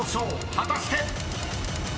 ［果たして⁉］